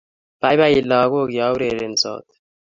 Baibai lagok ya urerensot